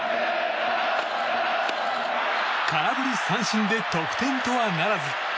空振り三振で得点とはならず。